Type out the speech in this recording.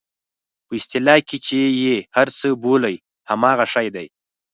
په اصطلاح کې چې یې هر څه بولئ همغه شی دی.